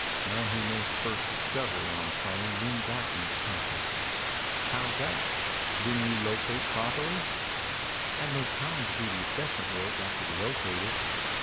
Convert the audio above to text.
Man who makes first discovery on a claim wins out in this country." "How's that? Didn't you locate properly?" "Had no time to do the assessment work after we located.